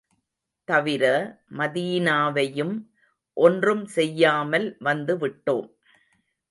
தவிர, மதீனாவையும் ஒன்றும் செய்யாமல் வந்து விட்டோம்.